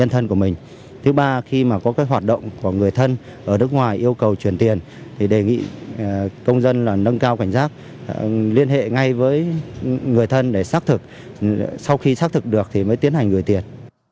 thứ ba là khi có hoạt động của người thân ở nước ngoài yêu cầu chuyển tiền đề nghị công dân nâng cao cảnh giác liên hệ ngay với người thân để xác thực sau khi xác thực được thì mới tiến hành gửi tiền